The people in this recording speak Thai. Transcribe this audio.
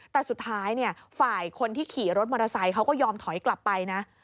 แต่สุดท้ายฝ่ายคนที่ขี่รถมอเตอร์ไซค์เขาก็ยอมถอยกลับไปนะ